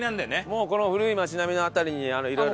もうこの古い町並の辺りにいろいろ。